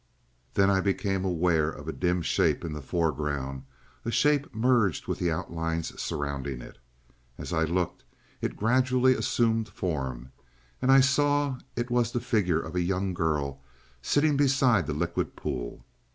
"Then I became aware of a dim shape in the foreground a shape merged with the outlines surrounding it. And as I looked, it gradually assumed form, and I saw it was the figure of a young girl, sitting beside the liquid pool.